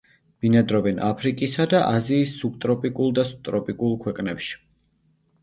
ბინადრობენ აფრიკისა და აზიის სუბტროპიკულ და ტროპიკულ ქვეყნებში.